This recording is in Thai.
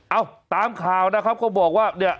ตามข่าวนะครับก็บอกว่าเนี่ย